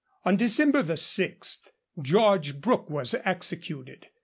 On December 6, George Brooke was executed.